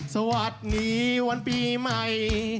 สวัสดีวันปีใหม่